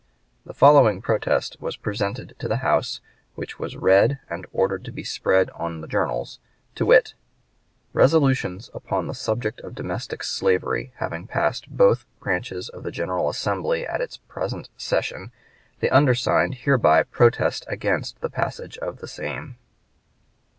The following protest was presented to the House, which was read and ordered to be spread on the journals, to wit: Resolutions upon the subject of domestic slavery having passed both branches of the General Assembly at its present session, the undersigned hereby protest against the passage of the same.